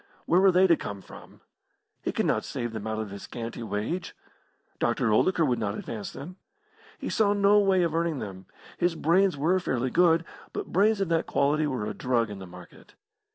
Where were they to come from? He could not save them out of his scanty wage. Dr. Oldacre would not advance them. He saw no way of earning them. His brains were fairly good, but brains of that quality were a drug in the market.